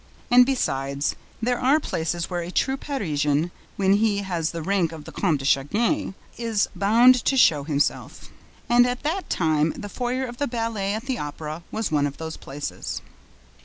And, besides, there are places where a true Parisian, when he has the rank of the Comte de Chagny, is bound to show himself; and at that time the foyer of the ballet at the Opera was one of those places.